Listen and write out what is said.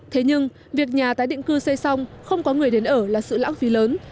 thế nhưng việc nhà tái định cư xây xong không có người đến ở là sự lãng phí lớn